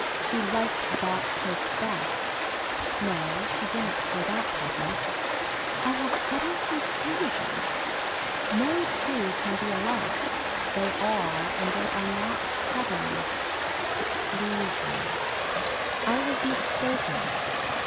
She liked bought cake best. No she didn't for that purpose. I have utter confusion. No two can be alike. They are and they are not stubborn. Please me. I was mistaken.